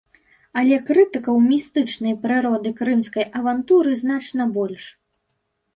Але крытыкаў містычнай прыроды крымскай авантуры значна больш.